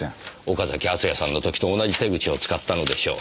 岡崎敦也さんの時と同じ手口を使ったのでしょう。